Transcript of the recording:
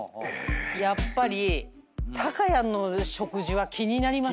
やっぱりたかやんの食事は気になります。